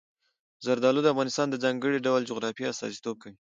زردالو د افغانستان د ځانګړي ډول جغرافیه استازیتوب کوي.